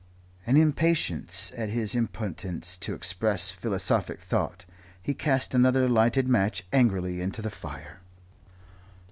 and impatient at his impotence to express philosophic thought, he cast another lighted match angrily into the fire.